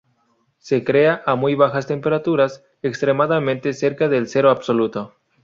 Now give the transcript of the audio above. Se crea a muy bajas temperaturas, extremadamente cerca del cero absoluto.